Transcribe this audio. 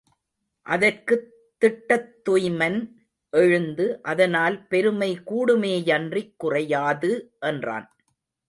அதற்குத் திட்டத்துய்மன் எழுந்து, அதனால் பெருமை கூடுமேயன்றிக் குறையாது என்றான்.